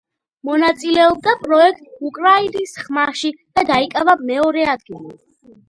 მონაწილეობდა პროექტ „უკრაინის ხმაში“ და დაიკავა მეორე ადგილი.